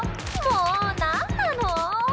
もうなんなの⁉